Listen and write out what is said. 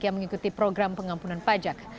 yang mengikuti program pengampunan pajak